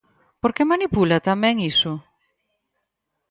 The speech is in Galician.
¿Por que manipula tamén iso?